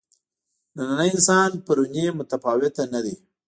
نننی انسان پروني متفاوته نه دي.